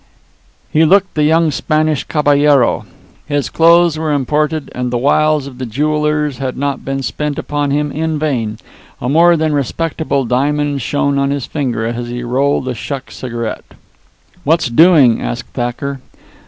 He looked the young Spanish caballero. His clothes were imported, and the wiles of the jewellers had not been spent upon him in vain. A more than respectable diamond shone on his finger as he rolled a shuck cigarette. "What's doing?" asked Thacker.